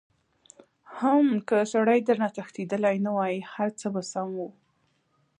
حم که سړی درنه تښتېدلی نه وای هرڅه به سم وو.